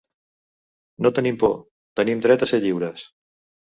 No tenim por, tenim dret a ser lliures.